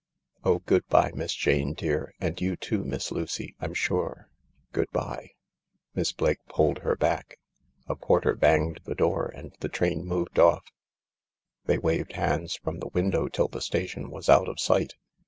Oh, good bye, Miss Jane dear, and you too, Miss Lucy, I'm sure ! Good bye !" Miss Blake pulled her back. A porter banged the door and the train moved ofi. They waved hands from the window till the station was out of sight.